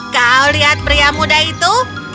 kau lihat pria muda itu